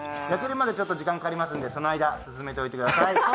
焼けるまでちょっと時間がかかりますのでその間進めておいてください。